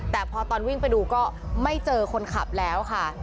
แต่พอตอนวิ่งไปดูก็ไม่เจอคนขับแล้วค่ะ